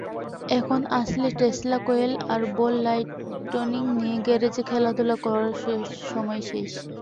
এখন আসলে Tesla coil আর বল লাইটনিং নিয়ে গ্যারেজে খেলাধুলা করার সময় শেষ।